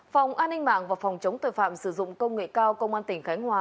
phòng an ninh mạng và phòng chống tội phạm sử dụng công nghệ cao công an tỉnh khánh hòa